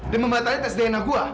dan membatalnya tes dna gue